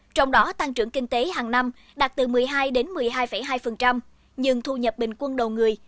trong đó tăng trưởng kinh tế hàng năm đạt từ một mươi hai một mươi hai hai nhưng thu nhập bình quân đầu người